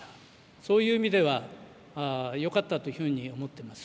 そういう意味ではよかったというふうに思っています。